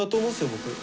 僕。